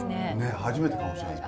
初めてかもしれないです